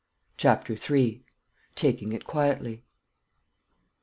CHAPTER III. TAKING IT QUIETLY.